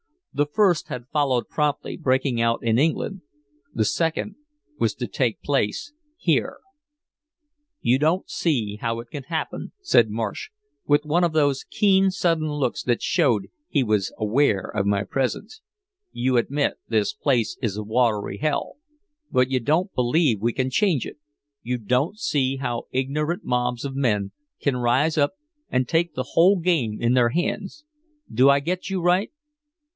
The first had followed promptly, breaking out in England. The second was to take place here. "You don't see how it can happen," said Marsh, with one of those keen sudden looks that showed he was aware of my presence. "You admit this place is a watery hell, but you don't believe we can change it. You don't see how ignorant mobs of men can rise up and take the whole game in their hands. Do I get you right?"